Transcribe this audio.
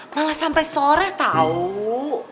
malah sampe sore tau